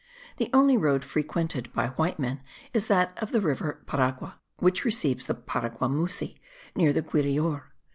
The only road frequented by white men is that of the river Paragua, which receives the Paraguamusi, near the Guirior.